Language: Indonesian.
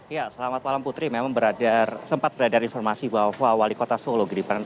ya selamat malam putri memang berada sempat berada informasi bahwa wali kota surakarta